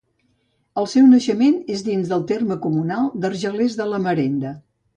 El seu naixement és dins del terme comunal d'Argelers de la Marenda.